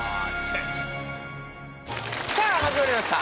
さあ始まりました